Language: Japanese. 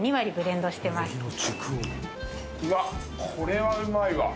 うわこれはうまいわ。